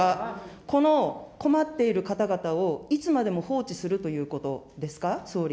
この困っている方々をいつまでも放置するということですか、総理、